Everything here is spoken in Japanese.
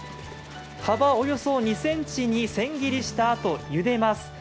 幅およそ２ｃｍに千切りしたあとゆでます。